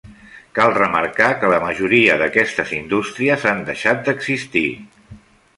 Cal remarcar que la majoria d'aquestes indústries han deixat d'existir.